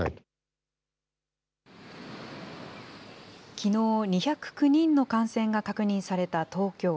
きのう、２０９人の感染が確認された東京。